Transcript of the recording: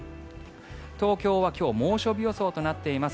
東京は今日、猛暑日予想となっています。